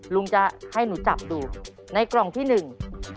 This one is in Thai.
ลุงจะให้หนูจับดูในกล่องที่หนึ่ง